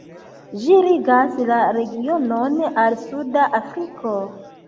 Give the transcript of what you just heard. Ĝi ligas la regionon al suda Afriko.